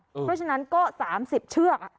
เพราะฉะนั้นก็๓๐เชือก